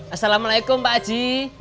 assalamualaikum pak aji